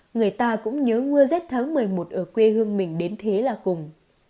người ta cũng nhớ mưa dép tháng một mươi một ở quê hương mình đến thế là cùng